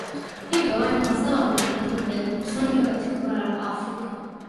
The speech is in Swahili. Hivyo hayo mazao na madini yaliyokusanywa katika bara la Afrika